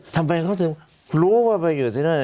ทำไมเขาถึงรู้ว่าไปอยู่ที่นั่น